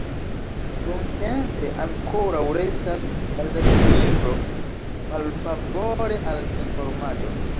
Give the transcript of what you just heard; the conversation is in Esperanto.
Nuntempe ankoraŭ restas malevkilibro malfavore al informado.